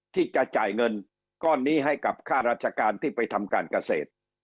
ที่จะจ่ายเงินก้อนนี้ให้กับค่าราชการที่ไปทำการเกษตร